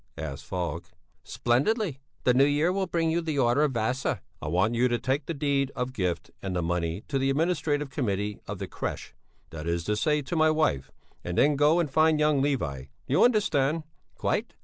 asked Falk. "Splendidly! The new year will bring you the order of Vasa!" "I want you to take the deed of gift and the money to the Administrative Committee of the crèche, that is to say, to my wife, and then go and find young Levi. Do you understand?" "Quite."